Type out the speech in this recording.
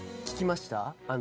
聞きました？